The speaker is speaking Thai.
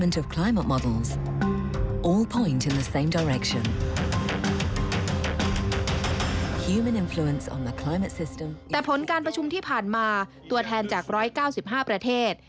แต่ผลการประชุมที่ผ่านมาตัวแทนจาก๑๙๕ประเทศ